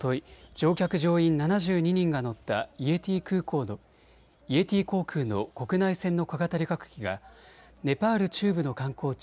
乗客乗員７２人が乗ったイエティ航空の国内線の小型旅客機がネパール中部の観光地